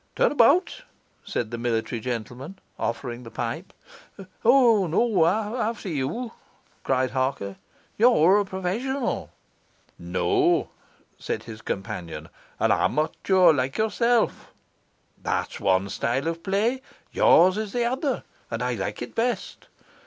'Turn about,' said the military gentleman, offering the pipe. 'O, not after you!' cried Harker; 'you're a professional.' 'No,' said his companion; 'an amatyure like yourself. That's one style of play, yours is the other, and I like it best.